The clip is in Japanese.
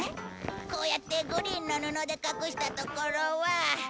こうやってグリーンの布で隠したところは。